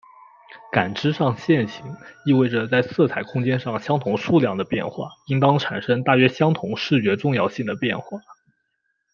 感知上线性意味着在色彩空间上相同数量的变化应当产生大约相同视觉重要性的变化。